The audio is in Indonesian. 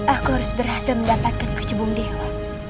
aku harus berhasil mendapatkan kucing dewa